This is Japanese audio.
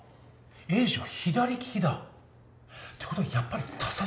栄治は左利きだ。ってことはやっぱり他殺？